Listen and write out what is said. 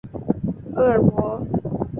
厄尔伯。